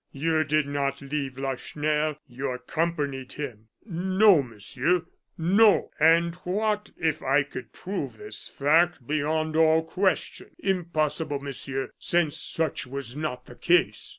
You did not leave Lacheneur, you accompanied him." "No, Monsieur, no!" "And what if I could prove this fact beyond all question?" "Impossible, Monsieur, since such was not the case."